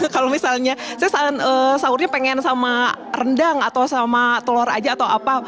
kalau misalnya saya sahurnya pengen sama rendang atau sama telur aja atau apa